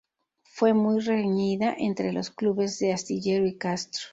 Fue muy reñida entre los clubes de Astillero y Castro.